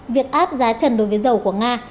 việc áp giá trần đối với dầu của nga